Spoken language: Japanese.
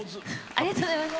ありがとうございます。